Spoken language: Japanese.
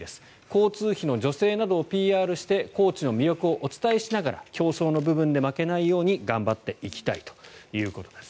交通費の助成などをＰＲして高知の魅力をお伝えしながら競争の部分で負けないように頑張っていきたいということです。